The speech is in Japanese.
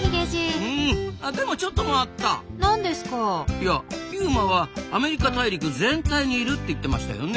いやピューマはアメリカ大陸全体にいるって言ってましたよね？